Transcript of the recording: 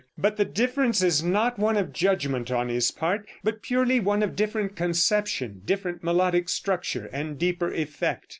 But the difference is not one of judgment on his part, but purely one of different conception, different melodic structure and deeper effect.